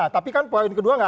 tapi kan poin kedua nggak